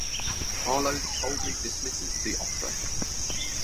Arlo coldly dismisses the offer.